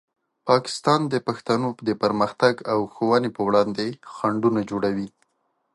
پاکستان د پښتنو د پرمختګ او ښوونې په وړاندې خنډونه جوړوي.